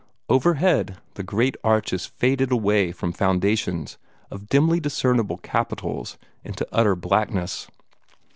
Overhead the great arches faded away from foundations of dimly discernible capitals into utter blackness.